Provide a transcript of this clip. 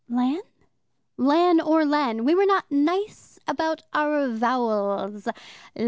"Lan?" "Lan or Len. We were not nice about our vowels.